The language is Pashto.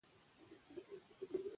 افغانستان په پکتیکا باندې تکیه لري.